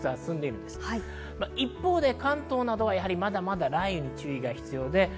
一方で関東などはまだまだ雷雨に注意が必要です。